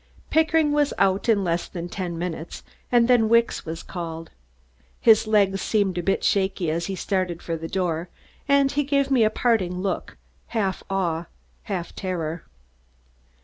Pickering was out in less than ten minutes, and then Wicks was called. His legs seemed a bit shaky as he started for the door and he gave me a parting look, half awe, half terror.